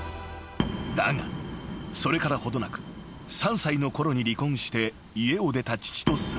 ［だがそれから程なく３歳のころに離婚して家を出た］